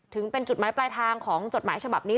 ถึงเป็นจุดหมายปลายทางของจดหมายฉบับนี้